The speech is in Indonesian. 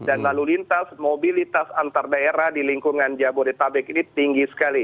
dan lalu lintas mobilitas antar daerah di lingkungan jabodetabek ini tinggi sekali